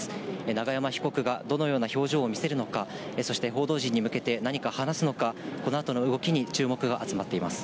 永山被告がどのような表情を見せるのか、そして報道陣に向けて何か話すのか、このあとの動きに注目が集まっています。